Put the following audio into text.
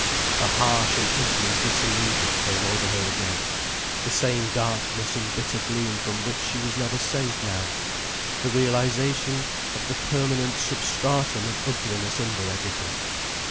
A harsh and ugly disillusion came over her again, the same darkness and bitter gloom from which she was never safe now, the realization of the permanent substratum of ugliness under everything.